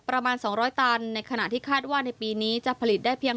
ประมาณ๒๐๐ตันในขณะที่คาดว่าในปีนี้จะผลิตได้เพียง